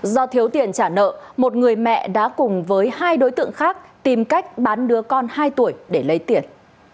do thiếu tiền trả nợ một người mẹ đã cùng với hai đối tượng khác tìm cách bán đứa con hai tuổi để lấy tiền